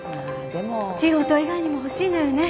仕事以外にも欲しいのよね。